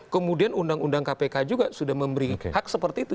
kemudian undang undang kpk juga sudah memberi hak seperti itu